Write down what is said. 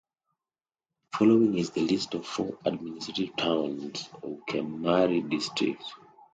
Following is the list of four administrative towns of Keamari District.